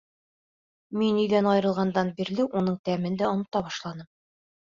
Мин өйҙән айырылғандан бирле уның тәмен дә онота башланым.